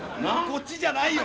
こっちじゃないよ